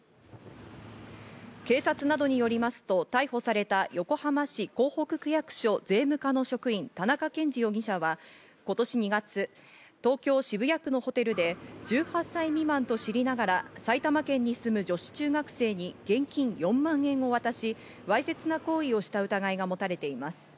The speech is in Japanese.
警察などによりますと逮捕された横浜市港北区役所・税務課の職員、田中健滋容疑者は、今年２月、東京・渋谷区のホテルで１８歳未満と知りながら埼玉県に住む女子中学生に現金４万円渡し、わいせつな行為をした疑いがもたれています。